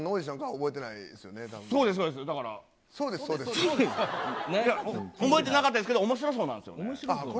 覚えてなかったですけど、おもしろ荘なんですよ、これ。